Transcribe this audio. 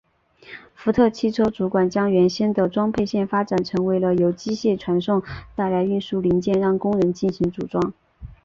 福特汽车主管将原先的装配线发展成为了由机械传送带来运输零件让工人进行组装。